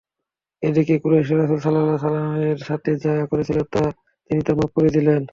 এদিকে কুরাইশরা রাসূলুল্লাহ সাল্লাল্লাহু আলাইহি ওয়াসাল্লামের সাথে যা করেছিল তিনি তা মাফ করে দিলেন।